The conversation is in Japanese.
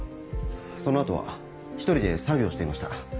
その後は１人で作業をしていました。